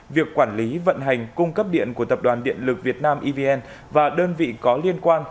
việc quản lý vận hành cung cấp điện của tập đoàn điện lực việt nam evn và đơn vị có liên quan